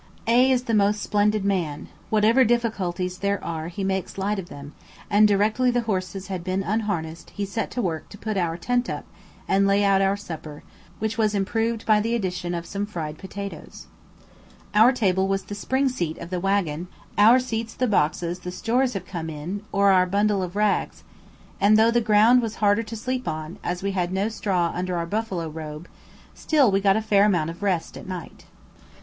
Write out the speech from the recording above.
A is the most splendid man; whatever difficulties there are he makes light of them; and directly the horses had been unharnessed he set to work to put our tent up and lay out our supper, which was improved by the addition of some fried potatoes. Our table was the spring seat of the waggon, our seats the boxes; the stores have come in, or our bundle of rugs; and though the ground was harder to sleep on, as we had no straw under our buffalo robe, still we got a fair amount of rest at night.